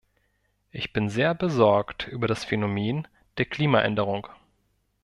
Ich bin sehr besorgt über das Phänomen der Klimaänderung.